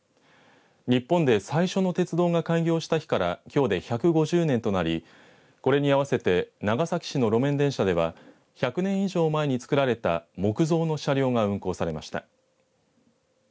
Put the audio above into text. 日本で最初の鉄道が開業した日からきょうで１５０年となりこれに合わせて長崎市の路面電車では１００年以上前につくられた木造の車両が運行されました。